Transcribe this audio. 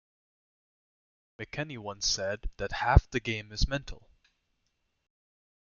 McKenny once said that Half the game is mental.